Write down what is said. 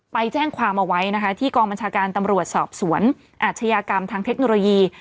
ไปแจ้งความเอาไว้นะคะที่กองบัญชาการตำรวจสอบสวนอาชญากรรมทางเทคโนโลยี